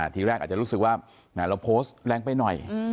ทีแรกอาจจะรู้สึกว่าแหมเราโพสต์แรงไปหน่อย